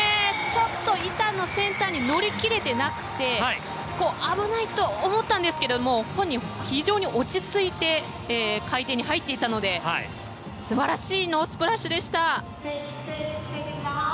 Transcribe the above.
ちょっと板の先端に乗り切れていなくて危ないと思ったんですけども本人、非常に落ち着いて回転に入っていたので素晴らしいノースプラッシュでした。